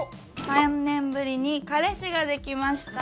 「３年ぶりに彼氏が出来ました」。